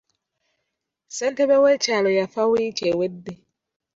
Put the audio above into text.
Ssentebe w'ekyalo yafa wiiki ewedde.